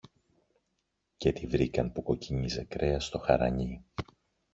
και τη βρήκαν που κοκκίνιζε κρέας στο χαρανί.